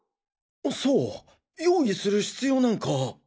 そう用意する必要なんか。